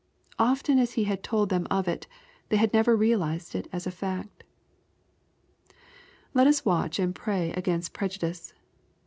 Often as He had told them of it, they had never realized it as a fact. Let us watch and pray against prejudice.